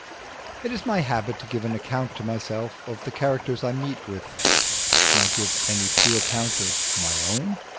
It is my habit to give an account to myself of the characters I meet with: can I give any true account of my own?